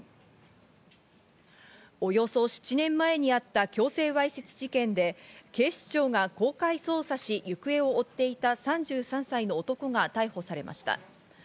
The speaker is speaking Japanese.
およそ７年前にあった強制わいせつ事件で、警視庁が公開捜査し、行方を追っていた３３歳の男が逮捕されました。